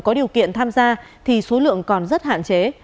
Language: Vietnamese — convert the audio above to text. có điều kiện tham gia thì số lượng còn rất hạn chế